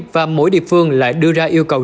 và mỗi địa phương lại đưa ra yêu cầu